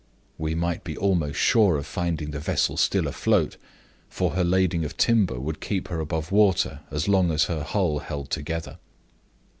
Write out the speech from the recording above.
We might be almost sure of finding the vessel still afloat, for her ladling of timber would keep her above water as long as her hull held together.